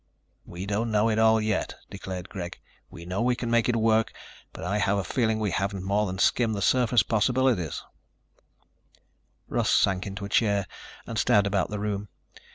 "We don't know it all yet," declared Greg. "We know we can make it work, but I have a feeling we haven't more than skimmed the surface possibilities." Russ sank into a chair and stared about the room.